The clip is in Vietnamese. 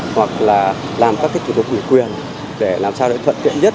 hoặc là làm các cái thủ thuật quyền quyền để làm sao để thuận tiện nhất